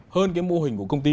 hơn cái mô hình của công ty